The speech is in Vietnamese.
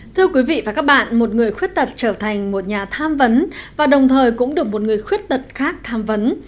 thưa quý vị và các bạn một người khuyết tật trở thành một nhà tham vấn và đồng thời cũng được một người khuyết tật khác tham vấn